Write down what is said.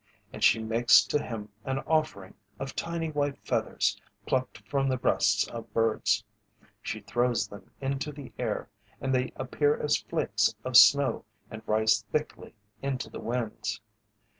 And she makes to him an offering of tiny white feathers plucked from the breasts of birds. She throws them into the air, and they appear as flakes of snow and rise thickly into the winds.